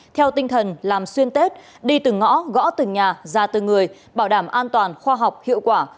theo tinh thần làm xuyên tết đi từ ngõ gõ từ nhà ra từ người bảo đảm an toàn khoa học hiệu quả